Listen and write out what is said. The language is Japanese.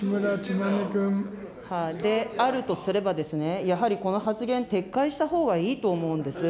であるとすればですね、やはりこの発言撤回したほうがいいと思うんです。